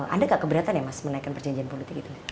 ada nggak keberatan ya mas menaikkan perjanjian politik itu